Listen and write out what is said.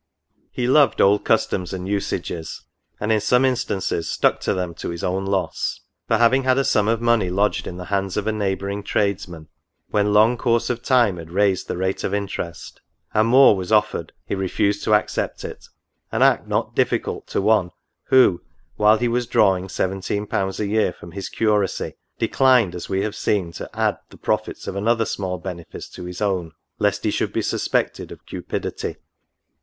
He loved old customs and usages, and in some instances stuck to them to his own loss ; for, having had a sum of money lodged in the hands of a neighbouring tradesman, when long course of time had raised the rate of interest ; and more was offered, he refused to accept it ; an act not difficult to one, who, while he was drawing seventeen pounds a year from his curacy, declined, as we have seen, to add the profits of another small benefice to his own, lest he should be suspected of cupidity.